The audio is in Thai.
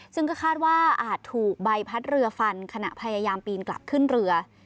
ซึ่งก็คาดว่าอาจถูกใบพัดเรือฟันขณะพยายามปีนกลับขึ้นเรือ